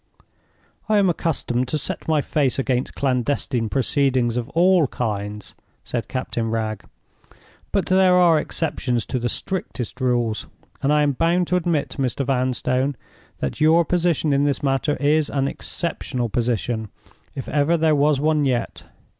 "I am accustomed to set my face against clandestine proceedings of all kinds," said Captain Wragge. "But there are exceptions to the strictest rules; and I am bound to admit, Mr. Vanstone, that your position in this matter is an exceptional position, if ever there was one yet.